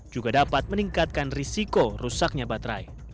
juga dapat meningkatkan risiko rusaknya baterai